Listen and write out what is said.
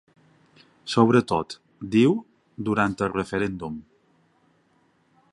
Sobretot, diu, durant el referèndum.